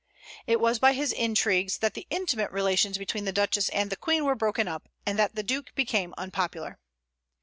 It was by his intrigues that the intimate relations between the Duchess and the Queen were broken up, and that the Duke became unpopular.